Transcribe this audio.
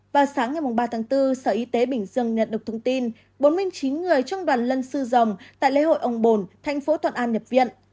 vào sáng ngày ba tháng bốn sở y tế bình dương nhận được thông tin bốn mươi chín người trong đoàn lân sư dòng tại lễ hội ông bồn thành phố thuận an nhập viện